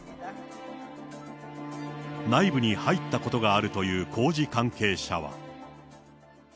内部に入ったことがあるという工事関係者は。